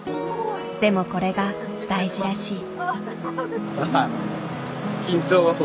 でもこれが大事らしい。